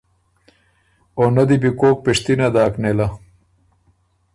او نۀ دی بو کوک پِشتِنه داک نېله۔